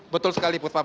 betul sekali puspa